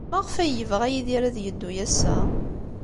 Maɣef ay yebɣa Yidir ad yeddu ass-a?